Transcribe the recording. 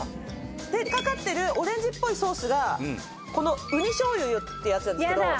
かかってるオレンジっぽいソースがこの雲丹醤油ってやつなんですけど。